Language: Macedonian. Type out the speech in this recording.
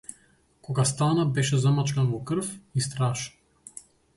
Кога стана беше замачкан во крв и страшен.